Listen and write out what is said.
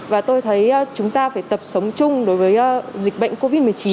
và tôi thấy chúng ta phải tập sống chung đối với dịch bệnh covid một mươi chín